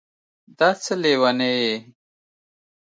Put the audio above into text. دا څه لېونی یې